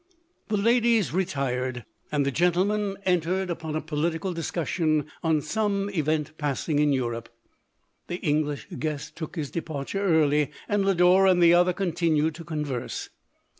The ladies retired, and the gentlemen entered 2o6 LODORE. upon a political discussion on some event pass ing in Europe. The English guest took his departure early, and Lodore and the other con tinued to converse.